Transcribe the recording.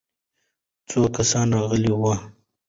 څو کسان راغلي وو؟